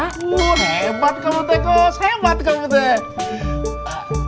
hebat kamu teko hebat kamu teko